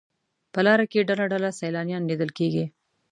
په لاره کې ډله ډله سیلانیان لیدل کېږي.